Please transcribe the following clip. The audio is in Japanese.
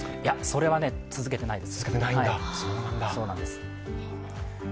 それは続けてないです。